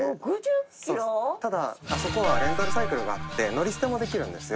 ただあそこはレンタルサイクルがあって乗り捨てもできるんですよ。